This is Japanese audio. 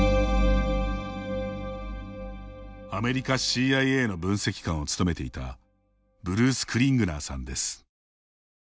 アメリカＣＩＡの分析官を務めていたブルース・クリングナーさんです。